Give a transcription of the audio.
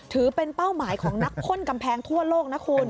ถือเป็นเป้าหมายของนักพ่นกำแพงทั่วโลกนะคุณ